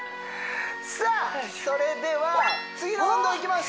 さあそれでは次の運動いきます